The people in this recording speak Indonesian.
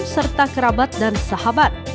serta kerabat dan anak anak yang berkembang